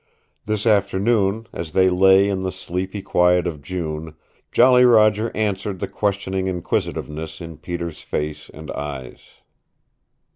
This afternoon, as they lay in the sleepy quiet of June, Jolly Roger answered the questioning inquisitiveness in Peter's face and eyes.